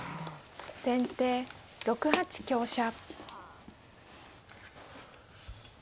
先手６八香車。